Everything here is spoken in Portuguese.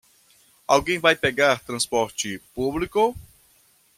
Alguém vai pegar transporte público?